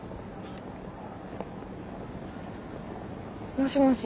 もしもし。